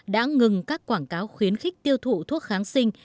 đã ngừng các quảng cáo khuyến khích tiêu thụ thuốc kháng sinh